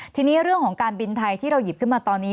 ทีนี้เรื่องของการบินไทยที่เราหยิบขึ้นมาตอนนี้